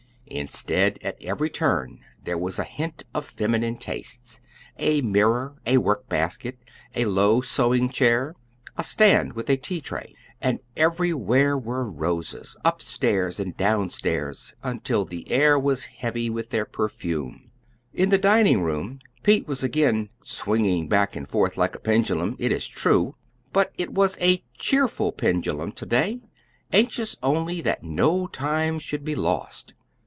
Instead, at every turn, there was a hint of feminine tastes: a mirror, a workbasket, a low sewing chair, a stand with a tea tray. And everywhere were roses, up stairs and down stairs, until the air was heavy with their perfume. In the dining room Pete was again "swinging back and forth like a pendulum," it is true; but it was a cheerful pendulum to day, anxious only that no time should be lost.